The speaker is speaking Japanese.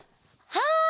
はい！